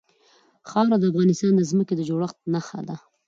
خاوره د افغانستان د ځمکې د جوړښت نښه ده.